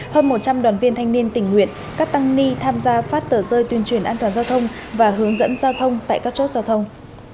hơn một trăm linh đoàn viên thanh niên tình nguyện các tăng ni tham gia phát tờ rơi tuyên truyền an toàn giao thông và hướng dẫn giao thông tại các chốt giao thông